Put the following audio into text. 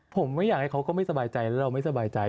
ผมไม่อยากให้เขาก็ไม่สบายใจแล้วเราไม่สบายใจ